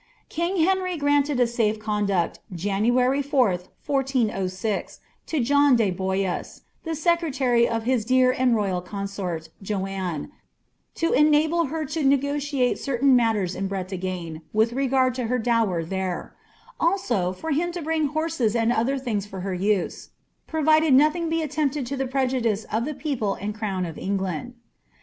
* King Henry granted a eafe conducl, January 4th, 1400, to John de Boyn*, '■ t)ie secretary of his dear and royal conaort Joluine, to eti^le ber to negotiate certain mailers in Breiague with regard to her tlower tliere ; also, for hmi to bring horses and other things for her use, pr». rid«)d noiliiiig be attempted to the prejudice of llic people and crown of England."